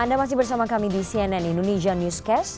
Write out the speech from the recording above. anda masih bersama kami di cnn indonesia newscast